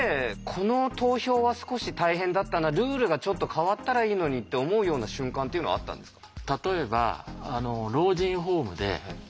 この投票は少し大変だったなルールがちょっと変わったらいいのにって思うような瞬間っていうのはあったんですか？